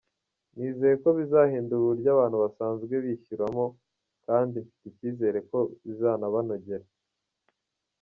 Nizeye ko bizahindura uburyo abantu basanzwe bishyuramo kandi mfite icyizere ko bizabanogera.